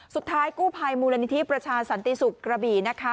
สุดท้ายกู้ภัยมูลนิธิประชาสันติศุกร์กระบี่นะคะ